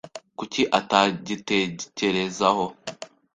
Kuki atagitekerezaho?